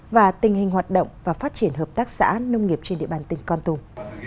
và tình hình hoạt động và phát triển hợp tác xã nông nghiệp trên địa bàn tỉnh con tum